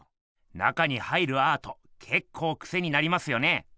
中に入るアートけっこうクセになりますよね？